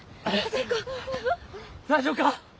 大丈夫か？